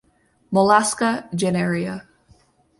Mollusca Genera